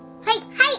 はい！